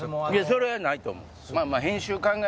それはないと思う。